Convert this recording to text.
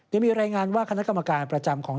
ยังมีรายงานว่าคณะกรรมการประจำของ